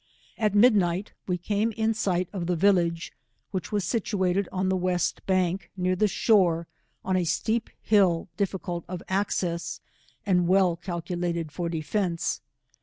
At midnight, we came in sight of the village, which was situated on the west bank, near the shore, on a steep hill difScult of access, and well calculated for defence.